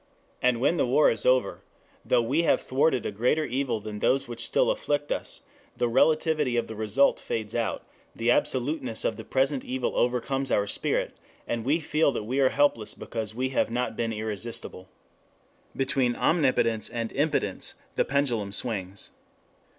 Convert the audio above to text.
And when the war is over, though we have thwarted a greater evil than those which still afflict us, the relativity of the result fades out, the absoluteness of the present evil overcomes our spirit, and we feel that we are helpless because we have not been irresistible. Between omnipotence and impotence the pendulum swings.